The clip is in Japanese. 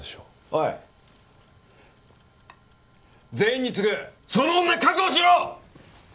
おい全員に告ぐその女確保しろ！